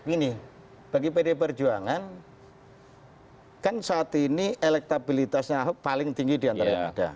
gini bagi pd perjuangan kan saat ini elektabilitasnya ahok paling tinggi diantara yang ada